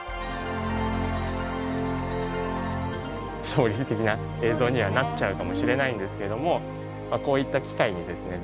衝撃的な映像にはなっちゃうかもしれないんですけどもこういった機会にですね